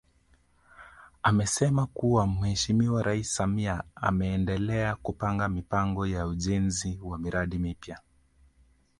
Amesema kuwa Mheshimiwa Rais Samia ameendelea kupanga mipango ya ujenzi wa miradi mipya